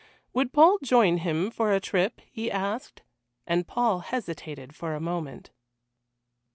Would Paul join him for a trip? he asked, and Paul hesitated for a moment.